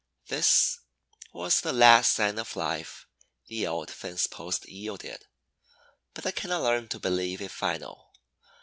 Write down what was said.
This was the last sign of life the old fence post yielded, but I cannot learn to believe it final.